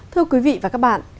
thưa quý vị và các bạn